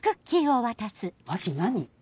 マジ何？